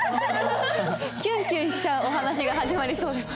キュンキュンしちゃうお話が始まりそうです。